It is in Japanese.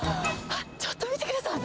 ちょっと見てください！